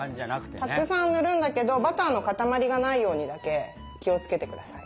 たくさん塗るんだけどバターの塊がないようにだけ気をつけてください。